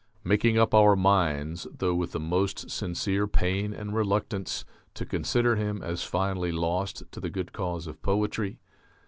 making up our minds, though with the most sincere pain and reluctance, to consider him as finally lost to the good cause of poetry....